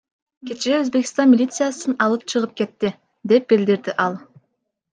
Кечээ, Өзбекстан милициясын алып чыгып кетти, — деп билдирди ал.